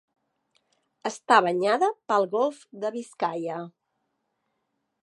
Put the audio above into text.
Està banyada pel golf de Biscaia.